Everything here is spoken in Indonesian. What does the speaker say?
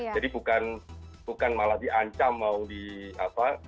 jadi bukan malah diancam mau di apa